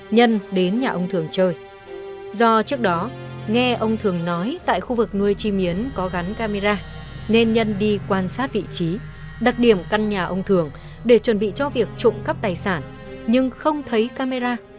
nhân đến nhà ông thường chơi do trước đó nghe ông thường nói tại khu vực nuôi chim yến có gắn camera nên nhân đi quan sát vị trí đặc điểm căn nhà ông thường để chuẩn bị cho việc trộm cắp tài sản nhưng không thấy camera